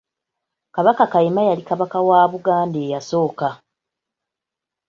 Kabaka Kayima yali Kabaka w Buganda eyasooka.